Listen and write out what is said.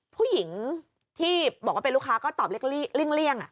ผู้หญิงที่บอกว่าเป็นลูกค้าก็ตอบเลี่ยง